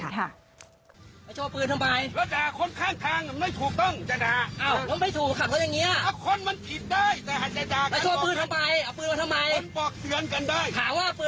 เขาปินทำไมแค่ได้อันนี้ต้องเอาปืนมาโชว์ด้วยหรือ